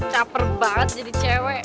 caper banget jadi cewek